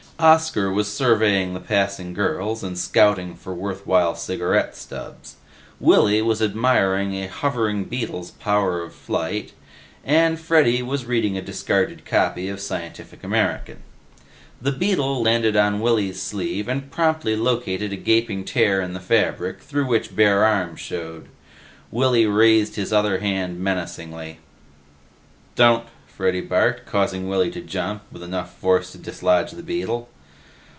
Oscar was surveying the passing girls and scouting for worthwhile cigarette stubs. Willy was admiring a hovering beetle's power of flight, and Freddy was reading a discarded copy of Scientific American. The beetle landed on Willy's sleeve and promptly located a gaping tear in the fabric, through which bare arm showed. Willy raised his other hand menacingly. "Don't," Freddy barked, causing Willy to jump with enough force to dislodge the beetle.